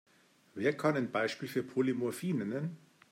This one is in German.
Wer kann ein Beispiel für Polymorphie nennen?